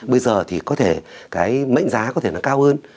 bây giờ thì có thể cái mệnh giá có thể nó cao hơn